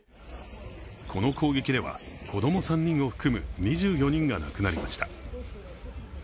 この攻撃では、子供３人を含む２４人が亡くなりました。